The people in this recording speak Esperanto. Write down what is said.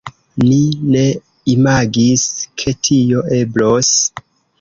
Ni ne imagis, ke tio eblos.